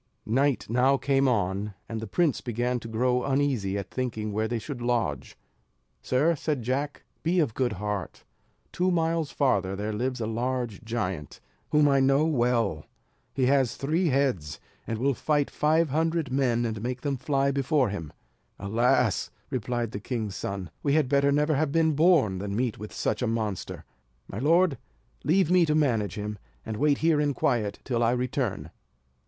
Night now came on, and the prince began to grow uneasy at thinking where they should lodge. "Sir," said Jack, "be of good heart; two miles farther there lives a large giant, whom I know well. He has three heads, and will fight five hundred men, and make them fly before him." "Alas!" replied the king's son, "we had better never have been born than meet with such a monster." "My lord, leave me to manage him, and wait here in quiet till I return."